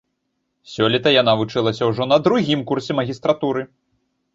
Сёлета яна вучылася ўжо на другім курсе магістратуры.